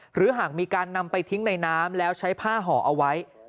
หรือหากมีการนำไปทิ้งในน้ำแล้วใช้ผ้าห่อเอาไว้